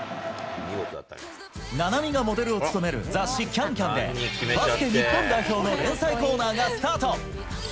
菜波がモデルを務める雑誌、ＣａｎＣａｍでバスケ日本代表の連載コーナーがスタート。